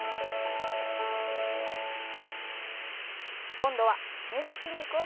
今度はすねの筋肉を鍛えます。